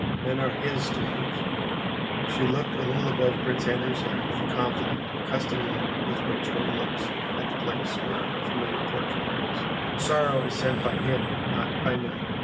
Men are His tools." She looked a little above Prince Andrew's head with the confident, accustomed look with which one looks at the place where a familiar portrait hangs. "Sorrow is sent by Him, not by men.